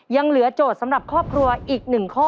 ยังเหลือโจทย์สำหรับครอบครัวอีก๑ข้อ